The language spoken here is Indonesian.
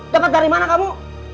dapat dari mana kamu